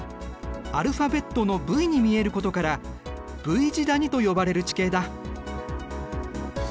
アルファベットのＶに見えることからＶ字谷と呼ばれる地形だ。